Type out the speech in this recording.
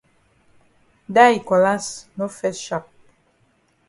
Dat yi cutlass no fes sharp.